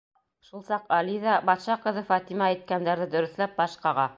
Шул саҡ Али ҙа, батша ҡыҙы Фатима әйткәндәрҙе дөрөҫләп, баш ҡаға.